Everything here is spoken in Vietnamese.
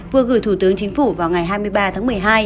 vừa gửi thủ tướng chính phủ vào ngày hai mươi ba tháng một mươi hai